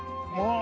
あ！